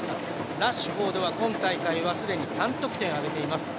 ラッシュフォードは今大会はすでに３得点挙げています。